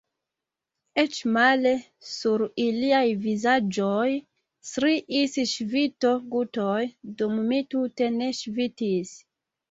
Eĉ male – sur iliaj vizaĝoj striis ŝvito-gutoj, dum mi tute ne ŝvitis.